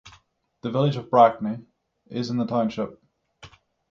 The village of Brackney is in the township.